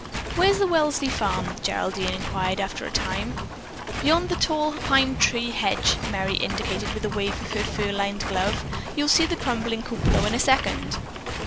"Where is the Welsley farm?" Geraldine inquired after a time. "Beyond that tall pine tree hedge," Merry indicated with a wave of her fur lined glove. "You'll see the crumbling cupulo in a second."